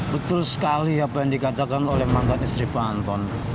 betul sekali apa yang dikatakan oleh mantan istri pak anton